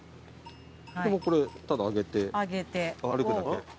もうこれただ上げて歩くだけ。